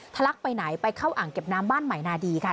ลักไปไหนไปเข้าอ่างเก็บน้ำบ้านใหม่นาดีค่ะ